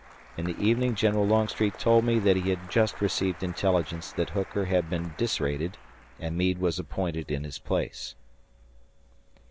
In the evening General Longstreet told me that he had just received intelligence that Hooker had been disrated and Meade was appointed in his place.